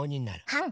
はん。